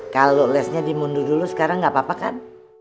kalau lesnya dimundu dulu sekarang gak apa apa kan